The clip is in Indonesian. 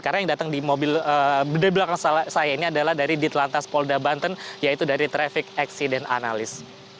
karena yang datang dari belakang saya ini adalah dari ditlantas polda banten yaitu dari traffic accident analyst